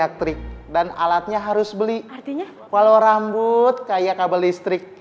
kalau rambut kayak kabel listrik